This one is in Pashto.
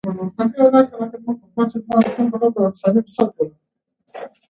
مناسب اقتصادي وضعیت باید رامنځته شي.